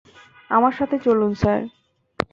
আমার সাথে চলুন, স্যার।